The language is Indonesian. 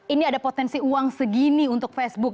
ini ada potensi uang segini untuk facebook